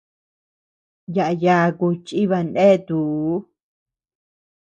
Yaʼa yaku chiba neatuu.